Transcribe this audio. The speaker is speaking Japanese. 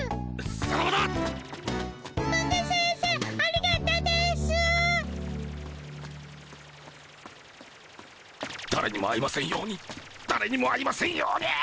だれにも会いませんようにだれにも会いませんように。